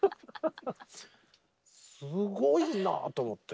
すごいなと思って。